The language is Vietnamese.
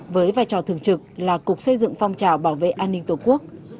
với vai trò thường trực là cục xây dựng phong trào bảo vệ an ninh tổ quốc